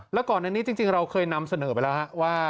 แล้วก่อนอันนี้จริงเราเคยนำเสนอไปแล้วว่า